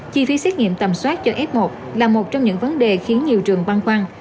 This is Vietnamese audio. chi phí xét nghiệm tầm soát cho f một là một trong những vấn đề khiến nhiều trường băn khoăn